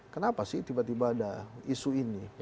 kenapa sih tiba tiba ada isu ini